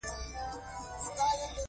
زه د ډرامو د صحنو انتظار کوم.